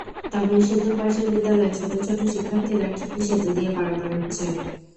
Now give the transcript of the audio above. তবে সেতুর পাশের বিদ্যালয়ের ছোট ছোট শিক্ষার্থীরা ঠিকই সেতু দিয়ে পারাপার হচ্ছে।